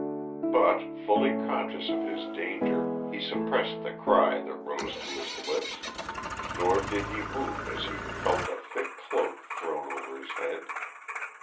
But, fully conscious of his danger, he suppressed the cry that rose to his lips, nor did he move as he felt a thick cloak thrown over his head.